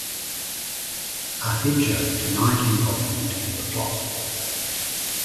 Ahidjo denied involvement in the plot.